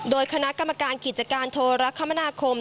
โดยคณะกรรมการกิจการโทรคมนาคม